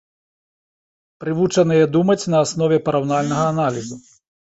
Прывучаныя думаць на аснове параўнальнага аналізу.